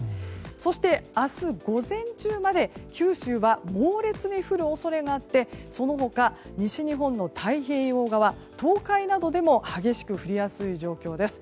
そして、明日午前中まで九州は猛烈に降る恐れがあってその他、西日本の太平洋側東海などでも激しく降りやすい状況です。